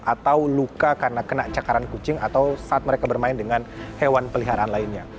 atau luka karena kena cakaran kucing atau saat mereka bermain dengan hewan peliharaan lainnya